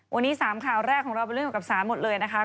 วันนี้๓ข่าวแรกของเราเรื่องเหมือนกับศาลหมดเลยนะคะ